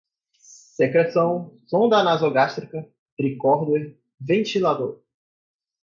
secreção, sonda nasogástrica, tricorder, ventilador